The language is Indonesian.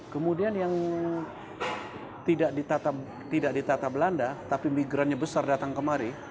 kemudian yang tidak ditata belanda tapi migrannya besar datang kemari